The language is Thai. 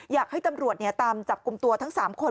อยากให้ตำรวจตามจับกลุ่มตัวทั้ง๓คน